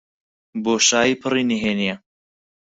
بۆشایی پڕی نهێنییە.